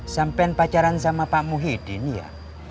sampean pacaran sama pak muhyiddin ya